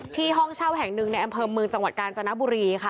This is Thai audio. ห้องเช่าแห่งหนึ่งในอำเภอเมืองจังหวัดกาญจนบุรีค่ะ